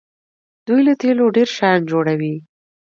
دوی له تیلو ډیر شیان جوړوي.